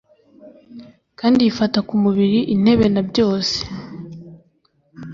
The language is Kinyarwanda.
Kandi yifata ku mubiri intebe na byose